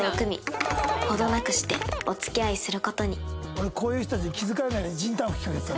俺こういう人たちに気づかれないように仁丹吹きかけてた。